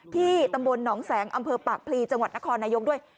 ตำบลหนองแสงอำเภอปากพลีจังหวัดนครนายกด้วย